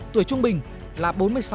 tuổi trung bình là bốn mươi sáu